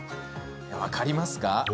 分かりますか？